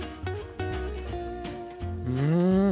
うん！